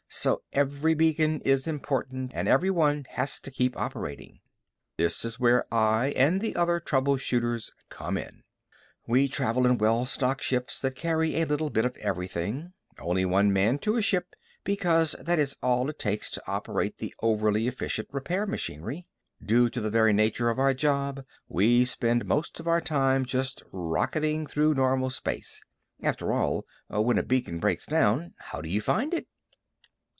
So every beacon is important and every one has to keep operating. That is where I and the other trouble shooters came in. We travel in well stocked ships that carry a little bit of everything; only one man to a ship because that is all it takes to operate the overly efficient repair machinery. Due to the very nature of our job, we spend most of our time just rocketing through normal space. After all, when a beacon breaks down, how do you find it?